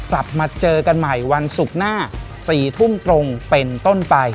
กลับมาเจอกันใหม่วันศุกร์หน้า๔ทุ่มตรงเป็นต้นไป